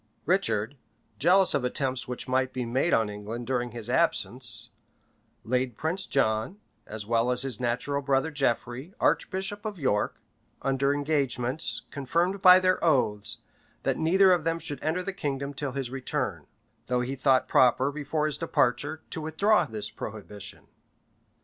Richard, jealous of attempts which might be made on England during his absence, laid Prince John, as well as his natural brother Geoffrey, archbishop of York, under engagements, confirmed by their oaths, that neither of them should enter the kingdom till his return; though he thought proper, before his departure, to withdraw this prohibition.